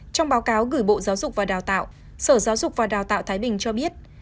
trong báo cáo gửi bộ giáo dục và đào tạo sở giáo dục và đào tạo thái bình cho biết